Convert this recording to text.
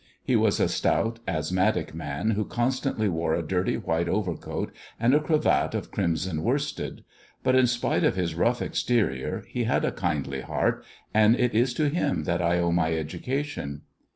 He was a stout, asthmatic man, who constantly wore a dirty white overcoat, and a cravat of crimson worsted. But in spite of his rough exterior he had a kindly heart, and it is to him that I owe my education."